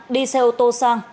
đi xe ô tô sang